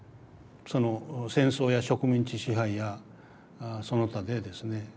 その戦争や植民地支配やその他でですね